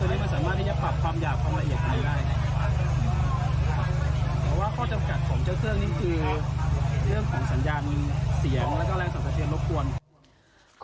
เรื่องของสัญญาณเสียงและก็แรงสังเกิดที่มันรบกวน